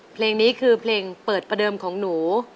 เพลงนี้คือเพลงเปิดประเดิมของหนู